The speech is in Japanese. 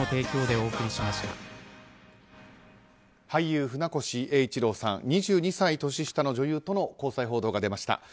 俳優・船越英一郎さん２２歳年下の女優との交際報道が出ました。